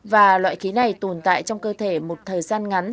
và loại khí này tồn tại trong cơ thể một thời gian ngắn